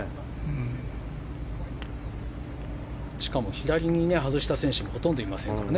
左に外した選手はほとんどいませんからね。